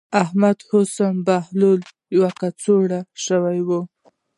احمد اوس يو بهلول يو کچکول شوی دی.